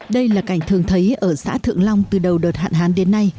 đây là cảnh thường thấy ở xã thượng long từ đầu đợt hạn hán đến nay